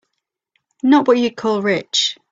Not what you'd call rich.